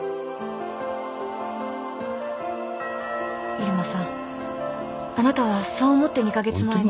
入間さんあなたはそう思って２カ月前に。